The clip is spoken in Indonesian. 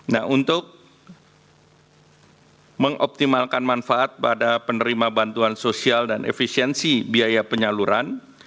nah untuk mengoptimalkan manfaat pada penerima bantuan sosial dan efisiensi biaya penyaluran